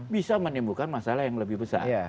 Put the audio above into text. bisa menimbulkan masalah yang lebih besar